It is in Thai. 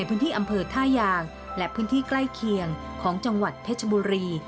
พื้นที่อำเภอท่ายางและพื้นที่ใกล้เคียงของจังหวัดเพชรบุรี